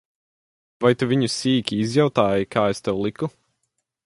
Vai tu viņu sīki izjautāji, kā es tev liku?